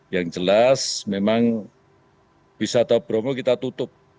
yang jelas memang bisa atau beromoh kita tutup